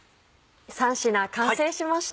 ３品完成しました。